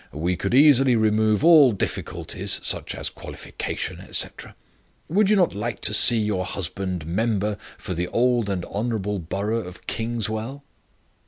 We could easily remove all difficulties, such as qualification, etc. Would you not like to see your husband member for the old and honourable borough of Kingswell?"